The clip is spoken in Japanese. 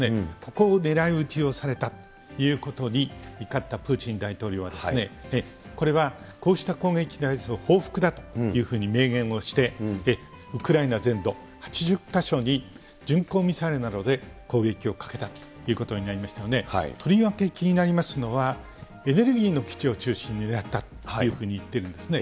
ここを狙い撃ちをされたということに、怒ったプーチン大統領は、これはこうした攻撃に対する報復だというふうに明言をして、ウクライナ全土８０か所に巡航ミサイルなどで攻撃をかけたということになりましたので、とりわけ気になりますのはエネルギーの基地を中心に狙ったというふうに言ってるんですね。